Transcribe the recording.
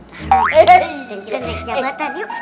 dan kita naik jabatan yuk